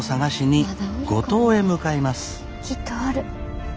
きっとおる。